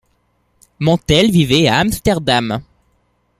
Mantel vivait à Amsterdam.